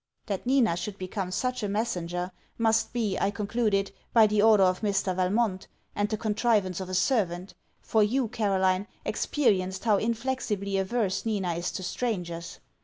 That Nina should become such a messenger must be, I concluded, by the order of Mr. Valmont, and the contrivance of a servant; for you, Caroline, experienced how inflexibly averse Nina is to strangers.